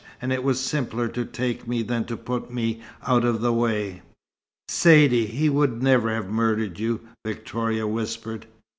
And it was simpler to take me than to put me out of the way." "Saidee he would never have murdered you?" Victoria whispered.